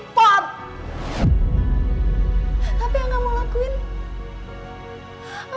kamu sudah mulai kervasi